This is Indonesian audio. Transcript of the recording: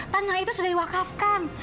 tanah itu sudah di wakafkan